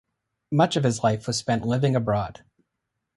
Much of his life was spent living abroad.